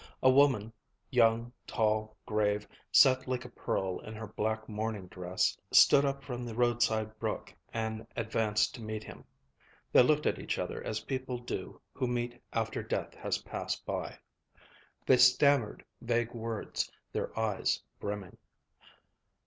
A woman, young, tall, grave, set like a pearl in her black mourning dress, stood up from the roadside brook and advanced to meet him. They looked at each other as people do who meet after death has passed by. They stammered vague words, their eyes brimming.